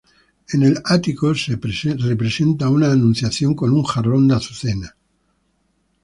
En el ático se representa una Anunciación con un jarrón de azucenas.